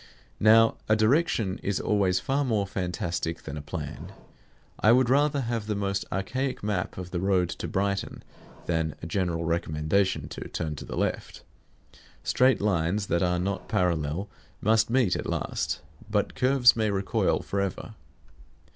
Now a direction is always far more fantastic than a plan. I would rather have the most archaic map of the road to Brighton than a general recommendation to turn to the left. Straight lines that are not parallel must meet at last; but curves may recoil forever.